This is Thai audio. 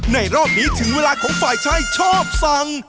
รอบนี้ถึงเวลาของฝ่ายชายชอบสั่ง